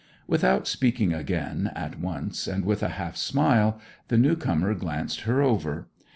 Without speaking again at once, and with a half smile, the new comer glanced her over.